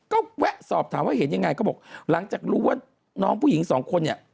ก็แวะสอบถามว่าเห็นยังไงก็บอกหลังจากรู้ว่าน้องผู้หญิงสองคนเนี่ย